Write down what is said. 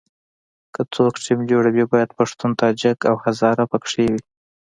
که څوک ټیم جوړوي باید پښتون، تاجک او هزاره په کې وي.